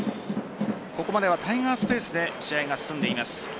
ここまではタイガースペースで試合が進んでいます。